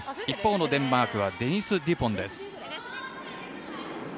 一方のデンマークはデニス・デュポンです。